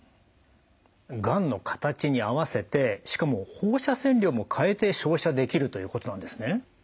がんの形に合わせてしかも放射線量も変えて照射できるということなんですね？